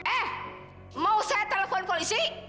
eh mau saya telepon polisi